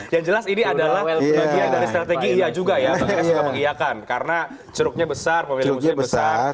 yang jelas ini adalah bagian dari strategi iya juga ya pak ginas juga mengiyakan karena ceruknya besar pemilihan musuhnya besar